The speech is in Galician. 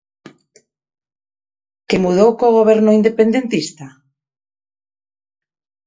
Que mudou co goberno independentista?